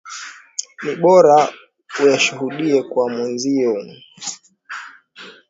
Ni bora uyashuhudie kwa mwenzio.